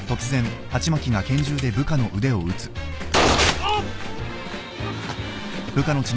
あっ！